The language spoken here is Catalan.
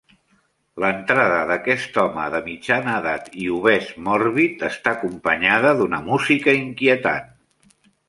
L'entrada d'aquest home de mitjana edat i obès mòrbid està acompanyada d'una música inquietant.